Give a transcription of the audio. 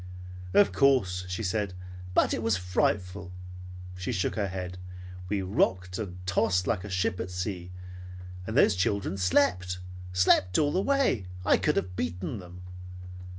"Of course," she said, "but it was frightful." She shook her head. "We rocked and tossed like a ship at sea. And those children slept. Slept all the way. I could have beaten them!"